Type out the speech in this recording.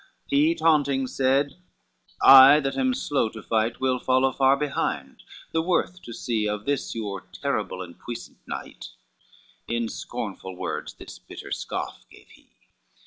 He taunting said, "I that am slow to fight Will follow far behind, the worth to see Of this your terrible and puissant knight," In scornful words this bitter scoff gave he.